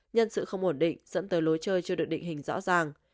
nhân sự không ổn định dẫn tới lối chơi chưa được định hình rõ ràng